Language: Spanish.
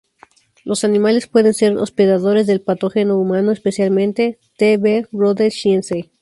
Los animales pueden ser hospedadores del patógeno humano, especialmente "T.b.rhodesiense.